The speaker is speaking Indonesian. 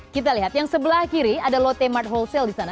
kita lihat yang sebelah kiri ada lotte mart wholesale di sana